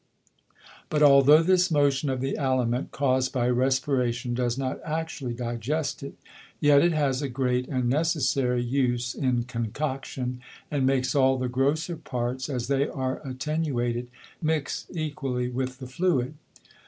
But although this Motion of the Aliment, caused by Respiration, does not actually digest it, yet it has a great and necessary Use in Concoction, and makes all the grosser Parts, as they are attenuated, mix equally with the Fluid.